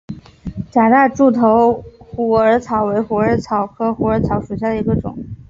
假大柱头虎耳草为虎耳草科虎耳草属下的一个种。